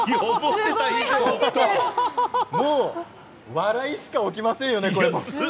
笑いしか起きませんよね。